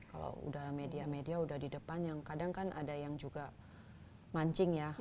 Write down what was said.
kalau udah media media udah di depan yang kadang kan ada yang juga mancing ya